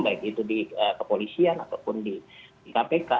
baik itu di kepolisian ataupun di kpk